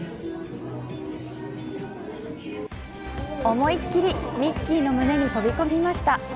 思いっきりミッキーの胸に飛び込みました。